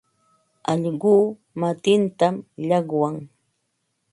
Allquu matintam llaqwan.